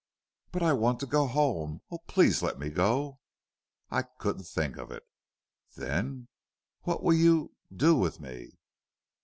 "But I want to go home. Oh, please let me go!" "I couldn't think of it." "Then what will you do with me?"